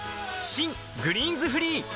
新「グリーンズフリー」